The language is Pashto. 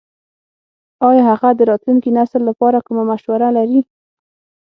ایا هغه د راتلونکي نسل لپاره کومه مشوره لري ?